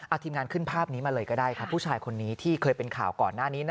เอาทีมงานขึ้นภาพนี้มาเลยก็ได้ครับผู้ชายคนนี้ที่เคยเป็นข่าวก่อนหน้านี้